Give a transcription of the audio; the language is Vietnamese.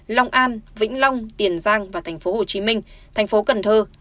lòng an vĩnh long tiền giang và tp hcm tp cn